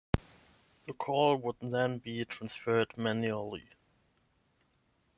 The call would then be transferred manually.